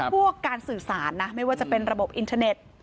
พวกการสื่อสารนะไม่ว่าจะเป็นระบบอินเทอร์เน็ต